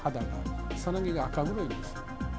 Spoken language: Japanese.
さなぎが赤黒いですね。